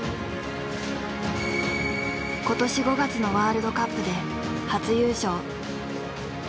今年５月のワールドカップで初優勝。